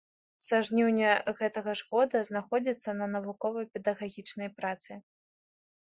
Са жніўня гэтага ж года знаходзіцца на навукова-педагагічнай працы.